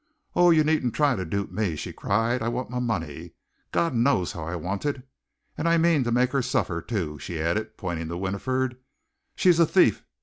Oh, you needn't try to dupe me!" she cried. "I want my money God knows how I want it! And I mean to make her suffer, too!" she added, pointing to Winifred. "She's a thief!